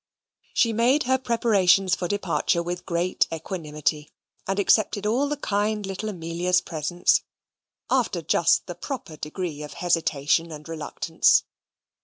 She made her preparations for departure with great equanimity; and accepted all the kind little Amelia's presents, after just the proper degree of hesitation and reluctance.